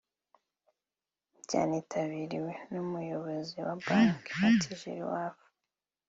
byanitabiriwe n’Umuyobozi wa Banki Attijariwafa